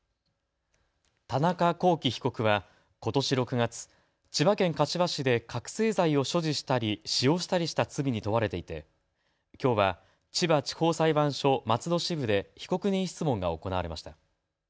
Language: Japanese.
田中聖被告はことし６月、千葉県柏市で覚醒剤を所持したり使用したりした罪に問われていてきょうは千葉地方裁判所松戸支部で被告人質問が行われました。